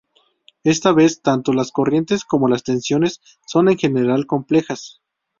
Esta vez, tanto las corrientes como las tensiones, son, en general, complejas.